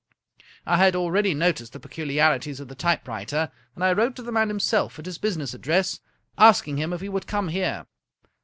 I had already noticed the peculiarities of the typewriter, and I wrote to the man himself at his business address, asking him if he would come here.